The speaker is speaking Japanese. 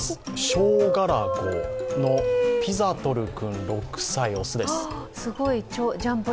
ショウガラゴのピザトル君６歳、雄です。